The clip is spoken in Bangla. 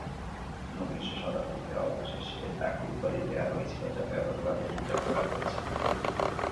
ঊনবিংশ শতাব্দীতে, অবশেষে তাকে উপাধি দেওয়া হয়েছিল, যা ব্যাপকভাবে পূজা করা হয়েছে।